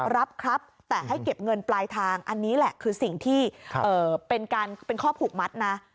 รับครับแต่ให้เก็บเงินปลายทางอันนี้แหละคือสิ่งที่เป็นการเป็นข้อผูกมัดนะ